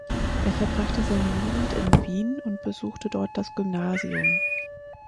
Er verbrachte seine Jugend in Wien und besuchte dort das Gymnasium.